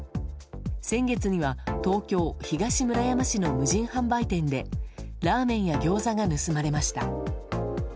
先月には東京・東村山市の無人販売店でラーメンやギョーザが盗まれました。